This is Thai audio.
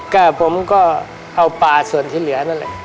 ก็ผมก็เอาปลาส่วนที่เหลือนั่นแหละ